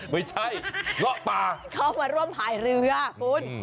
ไม่ใช่เงาะป่าเขามาร่วมพาเรืออ่ะฟุ้น